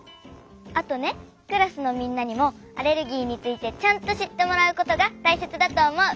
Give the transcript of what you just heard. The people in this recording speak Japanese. あとねクラスのみんなにもアレルギーについてちゃんとしってもらうことがたいせつだとおもう。